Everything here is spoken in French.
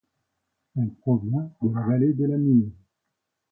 Elle provient de la vallée de la Mur.